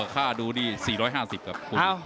ค่าดูดี๔๕๐บาทครับ